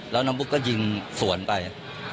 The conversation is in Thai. แล้วน้องปุ๊กก็ยิงสวนไป